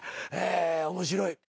面白い。